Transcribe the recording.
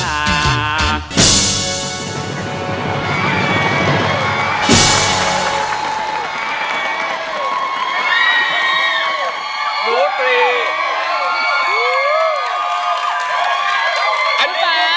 อันนี้คืออะไรนะชอบ